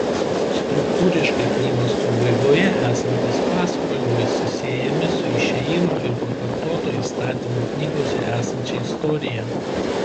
Struktūriškai knygos pabaigoje esantys pasakojimai susiejami su Išėjimo ir Pakartoto Įstatymo knygose esančia istorija.